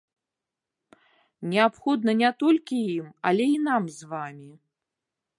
Неабходна не толькі ім, але і нам з вамі.